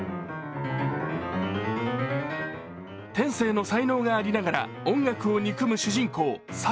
転生の才能がありながら、音楽を憎む主人公、朔。